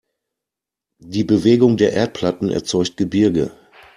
Die Bewegung der Erdplatten erzeugt Gebirge.